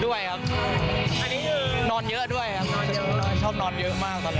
ด้วยครับนอนเยอะด้วยครับชอบนอนเยอะมากตอนนี้